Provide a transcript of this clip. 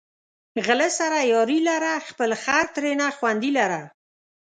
غله سره یاري لره، خپل خر ترېنه خوندي لره